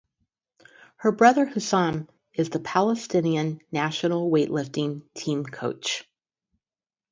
His brother Hussam is the Palestinian national weightlifting team coach.